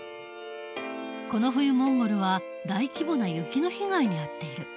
この冬モンゴルは大規模な雪の被害に遭っている。